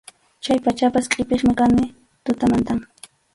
Chay pachapas qʼipiqmi kani tutamantam.